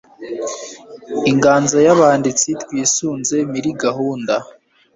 Inganzo z'Abanditsi twisunze miri gahunda